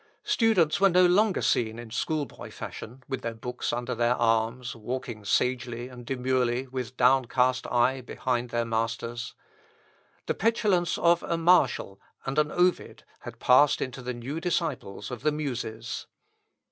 Students were no longer seen in schoolboy fashion, with their books under their arms, walking sagely and demurely with downcast eye behind their masters. The petulance of a Martial and an Ovid had passed into the new disciples of the Muses.